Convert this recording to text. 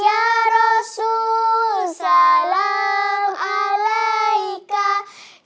ya rasul salam alaikum